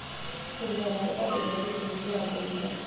სიმღერა იყო პირველი სინგლი ალბომიდან.